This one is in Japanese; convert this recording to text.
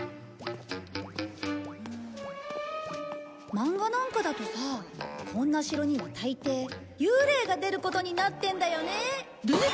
マンガなんかだとさこんな城には大抵幽霊が出ることになってんだよね。